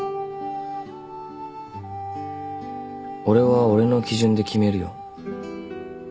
俺は俺の基準で決めるよ。